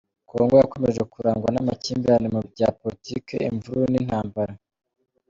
Congo yakomeje kurangwa n’amakimbirane mu bya politiki, imvururu n’intambara.